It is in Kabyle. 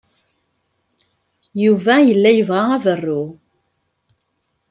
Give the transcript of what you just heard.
Yuba yella yebɣa aberru.